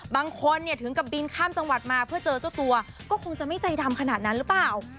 บางคนเนี่ยถึงกับบินข้ามจังหวัดมาเพื่อเจอเจ้าตัวก็คงจะไม่ใจดำขนาดนั้นหรือเปล่า